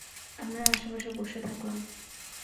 আমরা আশেপাশে বসে থাকলাম।